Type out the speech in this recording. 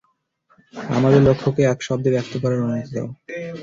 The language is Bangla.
আমাদের লক্ষ্যকে এক শব্দে ব্যক্ত করার অনুমতি দাও!